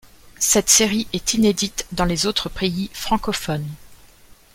Cette série est inédite dans les autres pays francophones.